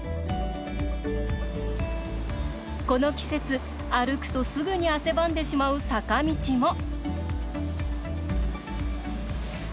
この季節歩くとすぐに汗ばんでしまう坂道も。